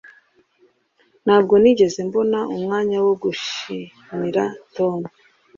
ntabwo nigeze mbona umwanya wo gushimira tom